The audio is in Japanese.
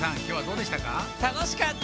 きょうはどうでしたか？